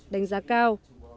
đánh giá cao